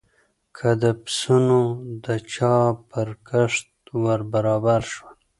که د پسونو د چا پر کښت ور برابر شول.